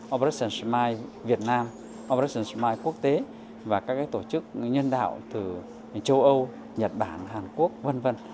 operation smile việt nam operation smile quốc tế và các tổ chức nhân đạo từ châu âu nhật bản hàn quốc v v